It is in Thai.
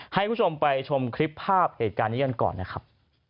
ให้คุณผู้ชมไปชมคลิปภาพเหตุการณ์นี้กันก่อนนะครับ